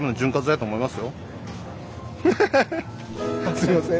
すいません。